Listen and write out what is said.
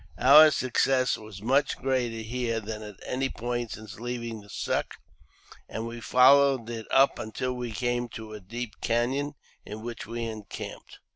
Our success was much greater here than at any point since leaving the Suck, and we fol lowed it up until we came to a deep canon, in which we encamped.